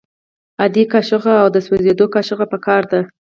عادي قاشوغه او د سوځیدو قاشوغه پکار ده.